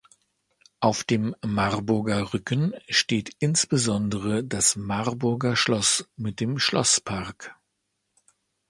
Auf dem Marburger Rücken steht insbesondere das Marburger Schloss mit dem Schlosspark.